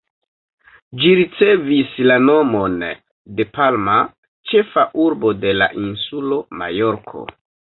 Ĝi ricevis la nomon de Palma, ĉefa urbo de la insulo Majorko.